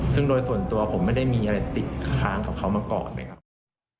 ซึ่งโดยส่วนตัวผมไม่ได้มีอะไรติดค้างกับเขามาก่อนเลยครับ